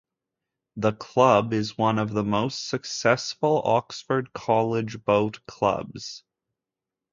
The club is one of the most successful Oxford college boat clubs.